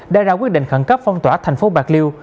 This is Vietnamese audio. đã ra quyết định khẩn cấp phong tỏa thành phố bạc liêu